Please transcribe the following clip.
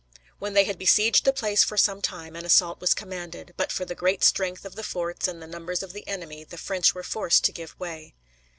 "When they had besieged the place for some time, an assault was commanded, but for the great strength of the forts and the numbers of the enemy the French were forced to give way.